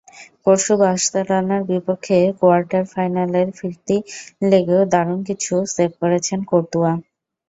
পরশু বার্সেলোনার বিপক্ষে কোয়ার্টার ফাইনালের ফিরতি লেগেও দারুণ কিছু সেভ করেছেন কোর্তুয়া।